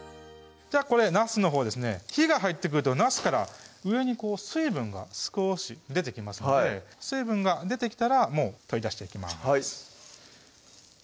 これなすのほうですね火が入ってくるとなすから上に水分が少し出てきますので水分が出てきたら取り出していきます